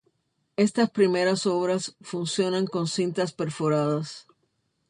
Estas primeras obras funcionan con cintas perforadas.